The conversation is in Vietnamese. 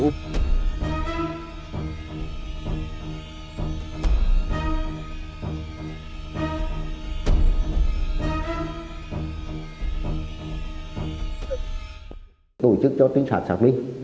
tổ chức cho tính sạt sạc minh